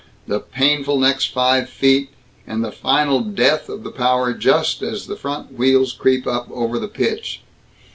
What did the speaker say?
the painful next five feet; and the final death of the power just as the front wheels creep up over the pitch.